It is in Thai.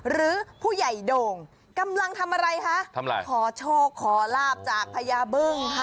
หรือผู้ใหญ่โด่งกำลังทำอะไรคะทำอะไรขอโชคขอลาบจากพญาบึ้งค่ะ